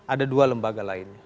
ada dua lembaga lain